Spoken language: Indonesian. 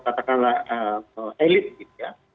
katakanlah elit gitu ya